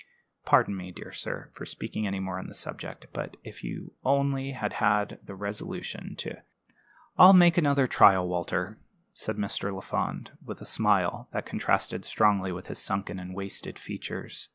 "Pardon me, dear sir, for speaking any more on the subject; but if you only had had the resolution to " "I'll make another trial, Walter," said Mr. Lafond, with a smile that contrasted strongly with his sunken and wasted features.